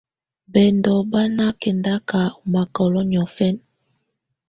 Bɛndɔ̀ bà nà kɛndaka ù makɔlɔ̀ niɔfɛna.